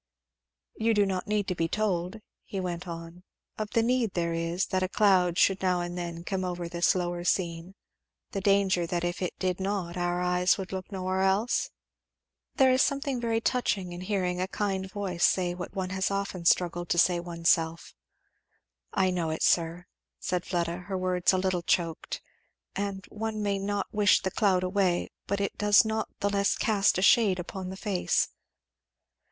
"You do not need to be told," he went on, "of the need there is that a cloud should now and then come over this lower scene the danger that if it did not our eyes would look nowhere else?" There is something very touching in hearing a kind voice say what one has often struggled to say to oneself. "I know it, sir," said Fleda, her words a little choked, "and one may not wish the cloud away, but it does not the less cast a shade upon the face.